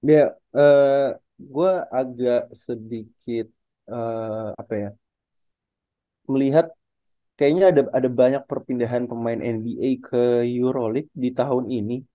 ya gue agak sedikit melihat kayaknya ada banyak perpindahan pemain nba ke euro league di tahun ini